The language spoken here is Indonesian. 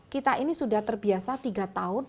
kita ini sudah terbiasa tiga tahun